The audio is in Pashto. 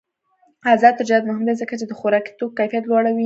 آزاد تجارت مهم دی ځکه چې د خوراکي توکو کیفیت لوړوي.